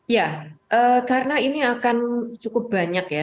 ya karena ini akan cukup banyak ya